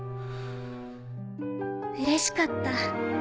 「うれしかった。